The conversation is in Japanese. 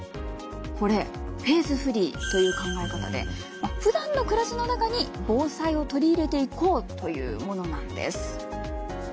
これフェーズフリーという考え方でふだんの暮らしの中に防災を取り入れていこうというものなんです。